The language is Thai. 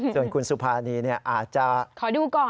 ส่วนคุณสุภานีอาจจะขอดูก่อน